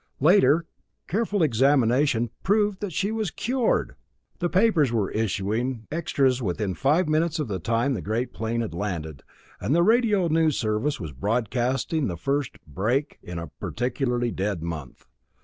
Later, careful examination proved she was cured! The papers were issuing extras within five minutes of the time the great plane had landed, and the radio news service was broadcasting the first "break" in a particularly dead month.